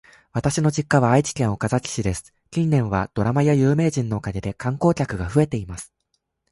私の実家は愛知県岡崎市です。近年はドラマや有名人のおかげで観光客数が増えています。